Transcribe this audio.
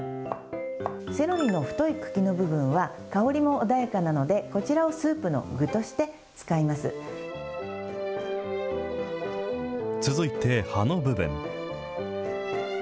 セロリの太い茎の部分は、香りも穏やかなので、こちらをスー続いて葉の部分。